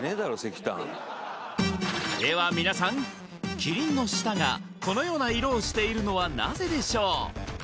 では皆さんキリンの舌がこのような色をしているのはなぜでしょう？